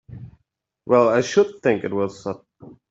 Well I should think it was sudden!